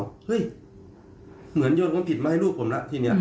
เกินไปหรือเปล่าเฮ้ยเหมือนโยนของผิดมาให้ลูกผมแล้วทีนี้